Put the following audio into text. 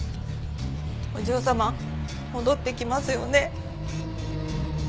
お嬢様戻ってきますよね？